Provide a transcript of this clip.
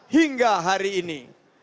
hingga hari ini